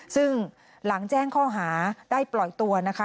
ซึ่งหลังแจ้งข้อหาได้ปล่อยตัวนะคะ